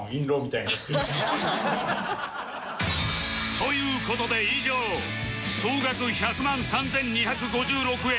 という事で以上総額１００万３２５６円